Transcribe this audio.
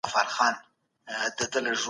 الله پاک د ځمکې او اسمانونو رڼا ده.